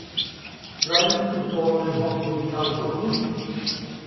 Grimes was born in Hollywood, California.